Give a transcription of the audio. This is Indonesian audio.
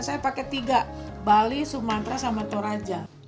saya pakai tiga bali sumatra sama toraja